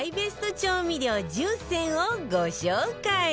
調味料１０選をご紹介